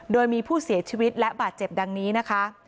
โดยมีผู้เสียชีวิตและบาดเจ็บดังนี้นะคะ